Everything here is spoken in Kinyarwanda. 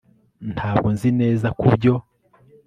ntabwo nzi neza kubyo